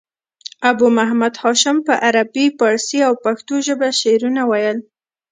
ابو محمد هاشم په عربي، پاړسي او پښتو ژبه شعرونه ویل.